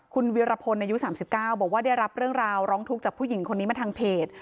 คุณวีรพลอายุ๓๙บอกว่าได้รับเรื่องราวร้องทุกข์จากผู้หญิงคนนี้มาทางเพจ